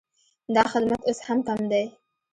دا خدمت اوس هم کم دی